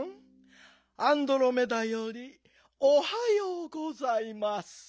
アンドロメダよりおはようございます。